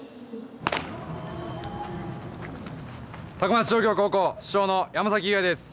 高松商業高校主将の山崎悠矢です。